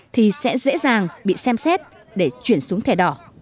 thì sẽ dễ dàng bị xem xét để chuyển xuống thẻ đỏ